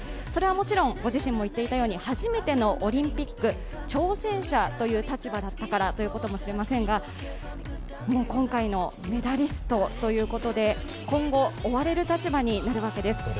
それはもちろん、ご自身も言っていたように初めてのオリンピック、挑戦者という立場だったからということかもしれませんが今回のメダリストということで、今後、追われる立場になるわけです